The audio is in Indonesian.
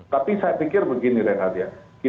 tapi saya pikir begini renhard ya